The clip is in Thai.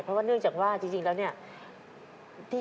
เพราะว่าเนื่องจากว่าจริงแล้วเนี่ย